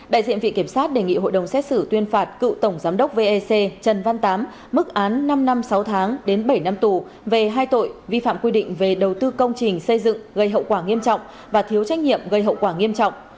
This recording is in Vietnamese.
đại diện vị kiểm sát đề nghị hội đồng xét xử tuyên phạt cựu tổng giám đốc vec trần văn tám mức án năm năm sáu tháng đến bảy năm tù về hai tội vi phạm quy định về đầu tư công trình xây dựng gây hậu quả nghiêm trọng và thiếu trách nhiệm gây hậu quả nghiêm trọng